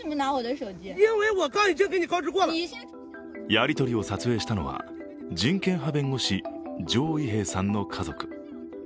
やりとりを撮影したのは人権派弁護士、常イ平さんの家族。